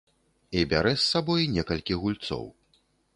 І бярэ з сабой некалькі гульцоў.